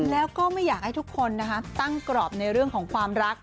แล้วก็ไม่อยากให้ทุกคนตั้งกรอบในเรื่องของความรัก